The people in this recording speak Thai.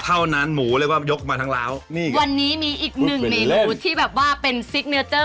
เท่านั้นหมูเรียกว่ายกมาทั้งร้